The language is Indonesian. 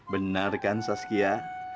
benar kan saskia